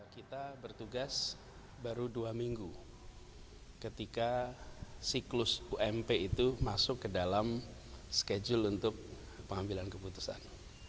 kita bertugas baru dua minggu ketika siklus ump itu masuk ke dalam schedule untuk pengambilan keputusan